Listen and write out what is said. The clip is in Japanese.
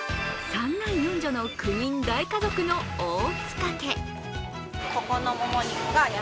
３男４女の９人大家族の大塚家。